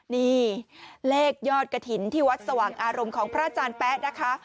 นี่เลขยอดกระถิ่นที่วัดสว่างอารมณ์ของพระอาจารย์แป๊ะนะคะ